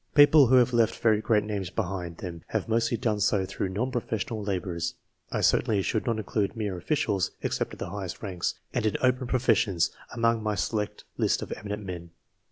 People who have left very great names behind them have mostly done so through non professional labours. I certainly should not include mere officials, except of the highest ranks, and in open professions, among my select list of eminent men.